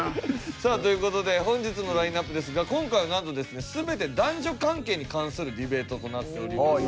さあという事で本日のラインアップですが今回はなんとですね全て男女関係に関するディベートとなっております。